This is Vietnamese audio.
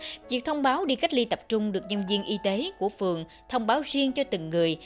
từ đó đến việc thông báo đi cách ly tập trung được nhân viên y tế của phường thông báo riêng cho từng người